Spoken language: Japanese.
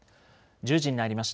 １０時になりました。